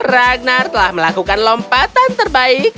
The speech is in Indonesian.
ragnar telah melakukan lompatan terbaik